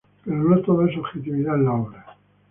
Pero no todo es objetividad en la obra.